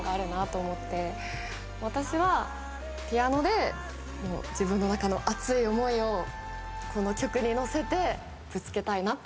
私はピアノで自分の中の熱い思いをこの曲に乗せてぶつけたいなって思いました。